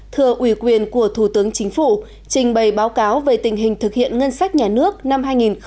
thừa ủy quyền của thủ tướng chính phủ trình bày báo cáo về tình hình thực hiện ngân sách nhà nước năm hai nghìn một mươi chín